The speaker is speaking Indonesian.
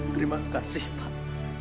terima kasih pak